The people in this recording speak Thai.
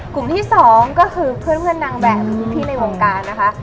กลุ่มที่สองก็คือเพื่อนนางแบบหรือพี่ในวงการนะคะ